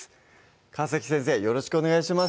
川先生よろしくお願いします